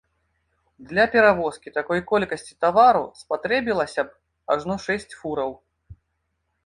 Для перавозкі такой колькасці тавару спатрэбілася б ажно шэсць фураў.